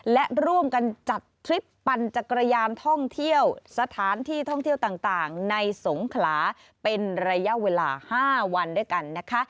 และร่วมกันจัดทริปปั่นจักรยานท่องเที่ยวสถานที่ท่องเที่ยวต่างในสงขลาเป็นระยะเวลา๕วันด้วยกันนะคะ